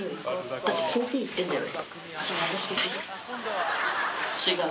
だってコーヒー行ってんだよ。